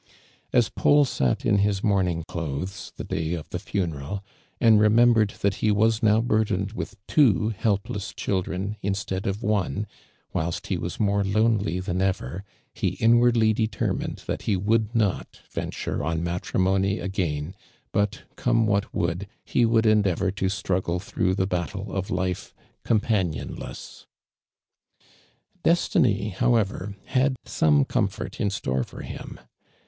As Paul sat in his mourning clothes the day of the funeral, and remembered that he was now bui'dened with two helpless chil dren instead of one, whilst he was more lonely than ever, he inwardly determined that he would not venture on matiimoay again, bui come what would, he would endea vor to struggle through the battle of life companionless. Destiny, however, had some comfort in store for him.